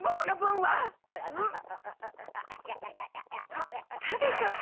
あっ食べちゃった。